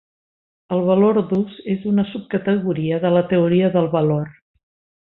El Valor d'ús és una subcategoria de la teoria del valor.